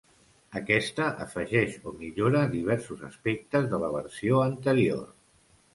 Aquesta afegeix o millora diversos aspectes de la versió anterior.